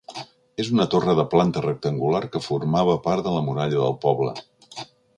És una torre de planta rectangular que formava part de la muralla del poble.